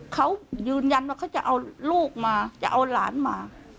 เขายืนยันว่าเขาจะเอาลูกมาจะเอาหลานมา